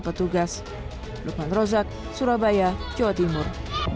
petugas lukman rozak surabaya jawa timur